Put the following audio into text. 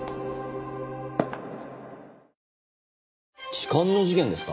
痴漢の事件ですか？